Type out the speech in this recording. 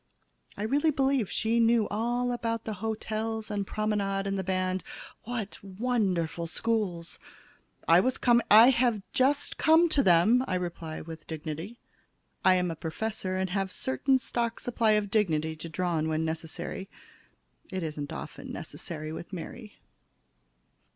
I really believe she knew all about the hotels and promenade and the band. What wonderful schools! "I was coming I have just come to them," I reply with dignity. I am a professor and have a certain stock supply of dignity to draw on when necessary. It isn't often necessary with Mary.